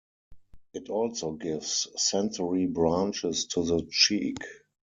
It also gives sensory branches to the cheek.